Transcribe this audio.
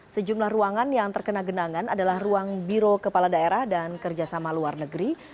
sejumlah ruangan yang terkena genangan adalah ruang biro kepala daerah dan kerjasama luar negeri